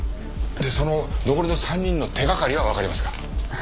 でその残りの３人の手掛かりはわかりますか？